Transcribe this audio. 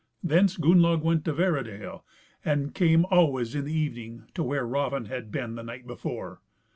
Thence Gunnlaug went to Vera dale, and came always in the evening to where Raven had been the night before.